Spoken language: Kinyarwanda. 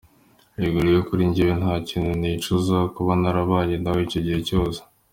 Yego, rero kuri njyewe nta kintu nicuza kuba narabanye nawe icyo gihe cyose.”